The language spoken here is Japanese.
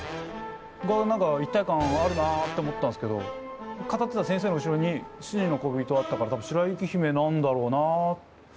が何か一体感あるなあって思ったんすけど語ってた先生の後ろに七人のこびとあったから多分「白雪姫」なんだろうなあ。